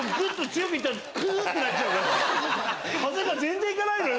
風が全然行かないのよ。